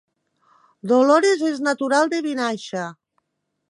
Dolores és natural de Vinaixa